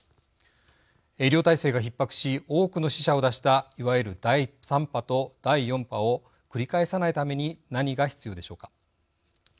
医療体制がひっ迫し多くの死者を出したいわゆる第３波と第４波を繰り返さないために何が必要でしょうか。